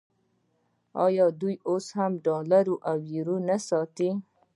آیا دوی اوس ډالر او یورو نه ساتي؟